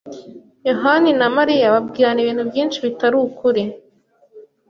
yohani na Mariya babwirana ibintu byinshi bitari ukuri.